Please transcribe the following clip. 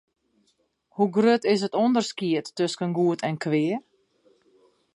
Hoe grut is it ûnderskied tusken goed en kwea?